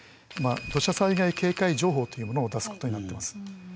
土砂災害警戒情報というものを出すことになってます。